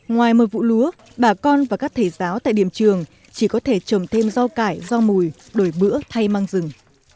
ngoài một vụ lúa bà con và các thầy giáo tại điểm trường chỉ có thể trồng thêm rau cải rau mùi đổi bữa thay măng rừng